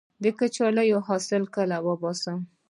د کچالو حاصل کله وباسم؟